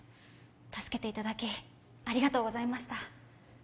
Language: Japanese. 助けていただきありがとうございました